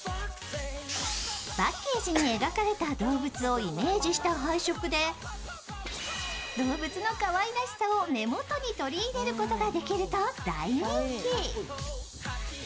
パッケージに描かれた動物をイメージした配色で動物のかわいらしさを目元に取り入れることができると大人気。